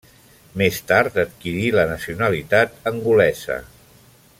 Més tard adquirí la nacionalitat angolesa.